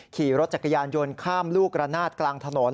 ขี่รถจักรยานยนต์ข้ามลูกระนาดกลางถนน